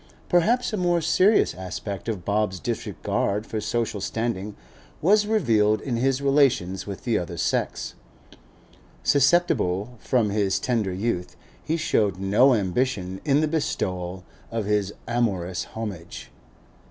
Perhaps a more serious aspect of Bob's disregard for social standing was revealed in his relations with the other sex. Susceptible from his tender youth, he showed no ambition in the bestowal of his amorous homage.